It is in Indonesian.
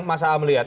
mas aam lihat